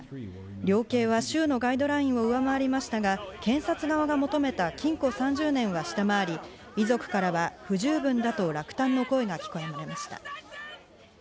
量刑は州のガイドラインを上回りましたが、検察側が求めた禁錮３０年は下回り、遺族からは不十分だと落胆の声が聞かれました。